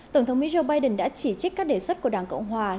tổng thống mỹ joe biden đã chỉ trích các đề xuất của đảng cộng hòa